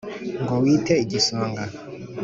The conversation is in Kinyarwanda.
ngo wmite igisonga.